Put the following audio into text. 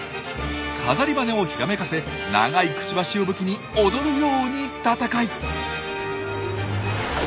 飾り羽をひらめかせ長いくちばしを武器に踊るように戦い。